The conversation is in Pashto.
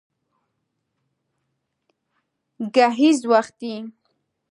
گهيځ وختي